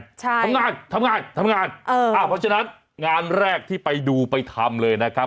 ใช่ทำงานทำงานทำงานเอออ่าเพราะฉะนั้นงานแรกที่ไปดูไปทำเลยนะครับ